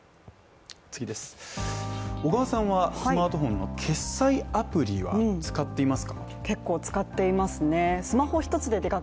小川さんはスマートフォンの決済アプリは使っていますか？